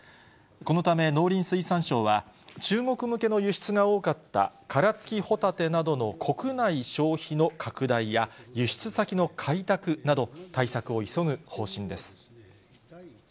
このため農林水産省は、中国向けの輸出が多かった殻付きホタテなどの国内消費の拡大や、輸出先の開拓など、対策を急ぐ方針です。